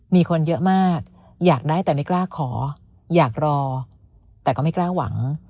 มีคนเยอะมากอยากได้แต่ไม่กล้าขออยากรอแต่ก็ไม่กล้าหวัง